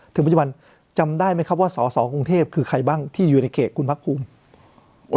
ถึงปัจจุบันจำได้ไหมครับว่าสอสอกรุงเทพคือใครบ้างที่อยู่ในเขตคุณพักภูมิ